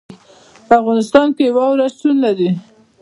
په افغانستان کې واوره شتون لري.